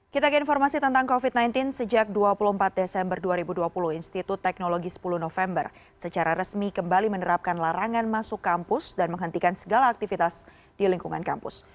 kita ke informasi tentang covid sembilan belas sejak dua puluh empat desember dua ribu dua puluh institut teknologi sepuluh november secara resmi kembali menerapkan larangan masuk kampus dan menghentikan segala aktivitas di lingkungan kampus